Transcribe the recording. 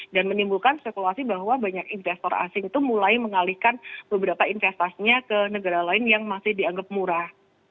dan menimbulkan spekulasi bahwa banyak investor asing itu mulai mengalihkan beberapa investasinya ke negara lain yang masih dianggap murah